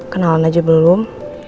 kenalan aja belum